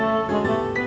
kamu mau dimana